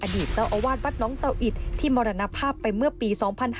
อดีตเจ้าอาวาสวัดน้องเตาอิดที่มรณภาพไปเมื่อปี๒๕๕๙